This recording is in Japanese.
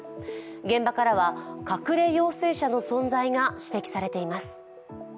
現場からは隠れ陽性者の存在が指摘されています。